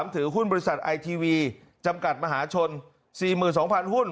ถือหุ้นบริษัทไอทีวีจำกัดมหาชน๔๒๐๐หุ้น